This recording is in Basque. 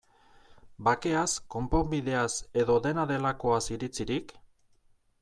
Bakeaz, konponbideaz, edo dena delakoaz iritzirik?